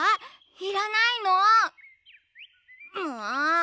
いらないの？んもっ！